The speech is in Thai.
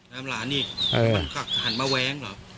ห้ามหลานอีกมันขัดหันมาแว้งเหรอ